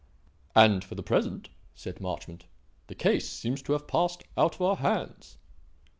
"And, for the present," said Marchmont, "the case seems to have passed out of our hands."